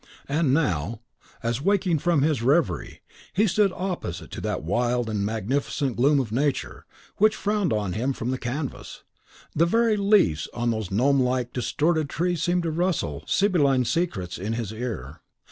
And now, as awaking from his reverie, he stood opposite to that wild and magnificent gloom of Nature which frowned on him from the canvas, the very leaves on those gnome like, distorted trees seemed to rustle sibylline secrets in his ear.